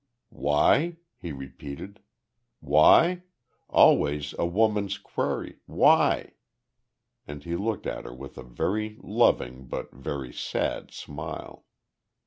"`Why?'" he repeated. "`Why?' Always a woman's query Why?" And he looked at her with a very loving but very sad smile.